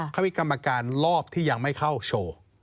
เขามีกรรมการรอบที่ยังไม่เข้าโชว์